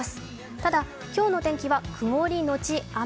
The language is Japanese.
ただ、今日の天気は曇りのち雨。